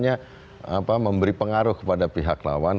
hanya memberi pengaruh kepada pihak lawan